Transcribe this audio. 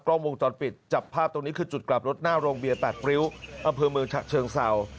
ล้อมวงจรปิดจับภาพตรงนี้คือจุดกลับรถหน้าโรงเบียร์๘ริ้วอำเภอเมืองฉะเชิงเศร้า